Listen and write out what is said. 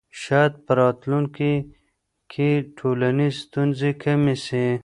شاید په راتلونکي کې ټولنیزې ستونزې کمې سي.